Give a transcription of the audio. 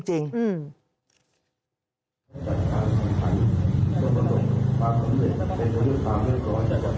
โอ้โฮ